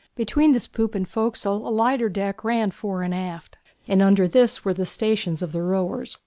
Between this poop and forecastle a lighter deck ran fore and aft, and under this were the stations of the rowers.